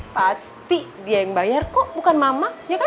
pasti dia yang bayar kok bukan mama ya kan